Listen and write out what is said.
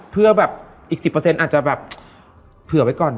เพื่อแบบอีก๑๐เปอร์เซ็นต์อาจจะแบบเผื่อไว้ก่อน